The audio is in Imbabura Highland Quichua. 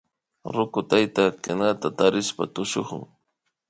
Ruku tayta kinata takishpa tushukun